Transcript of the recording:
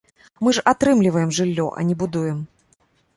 Мы ж атрымліваем жыллё, а не будуем.